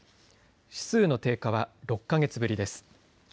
指数の低下は６か月ぶりです。